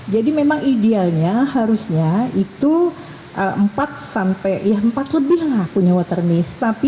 jadi memang idealnya harusnya itu empat sampai ya empat lebih lah punya water mist